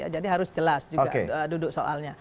jadi harus jelas juga duduk soalnya